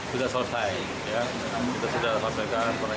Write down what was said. kita sudah selesai